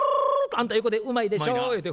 あんた横で「うまいでしょ」言うて。